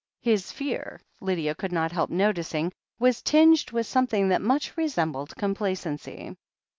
His fear, Lydia could not help noticing, was tinged with something that much resembled complacency.